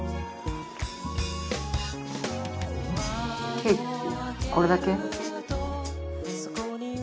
ケーキこれだけ？